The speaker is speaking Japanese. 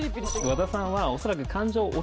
和田さんは恐らく。